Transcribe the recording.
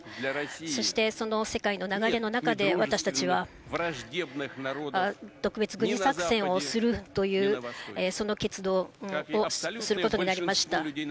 そしてその世界の流れの中で、私たちは特別軍事作戦をするという、その決断をすることになりました。